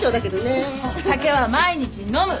酒は毎日飲む。